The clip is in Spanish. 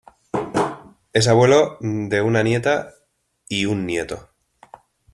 Es abuelo de una nieta y un nieto.